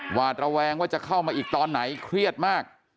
หวาดระแวงว่าจะเข้ามาอีกตอนไหนเครียดมาก